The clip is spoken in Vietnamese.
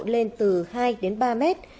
lên từ hai đến ba mét